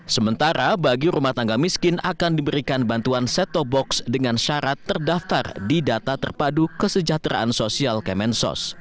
sementara bagi rumah tangga miskin akan diberikan bantuan set top box dengan syarat terdaftar di data terpadu kesejahteraan sosial kemensos